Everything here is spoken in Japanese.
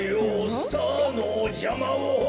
スターのじゃまを」